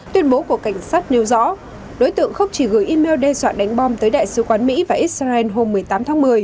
tuyên bố của cảnh sát nêu rõ đối tượng không chỉ gửi email đe dọa đánh bom tới đại sứ quán mỹ và israel hôm một mươi tám tháng một mươi